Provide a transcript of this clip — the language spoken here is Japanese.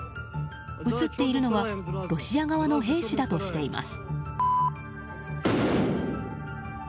映っているのはロシア側の兵士だとしています。